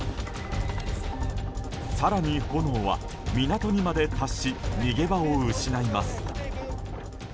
更に、炎は港にまで達し逃げ場を失います。